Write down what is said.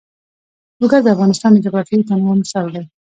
لوگر د افغانستان د جغرافیوي تنوع مثال دی.